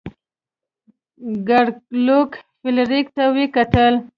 ګارلوک فلیریک ته وکتل.